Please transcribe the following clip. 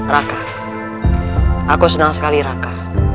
raka aku senang sekali raka